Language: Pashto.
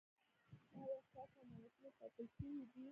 ایا ستاسو امانتونه ساتل شوي دي؟